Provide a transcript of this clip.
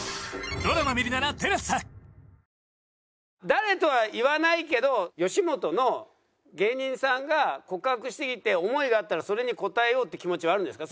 誰とは言わないけど吉本の芸人さんが告白してきて思いがあったらそれに応えようっていう気持ちはあるんですか？